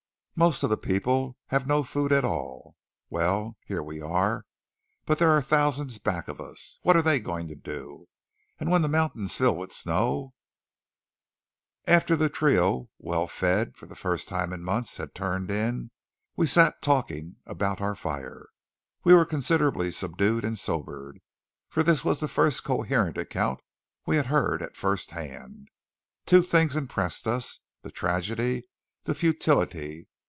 Most of the people have no food at all. Well, here we are! But there are thousands back of us. What are they going to do? And when the mountains fill with snow " After the trio, well fed for the first time in months, had turned in, we sat talking about our fire. We were considerably subdued and sobered; for this was the first coherent account we had heard at first hand. Two things impressed us the tragedy, the futility.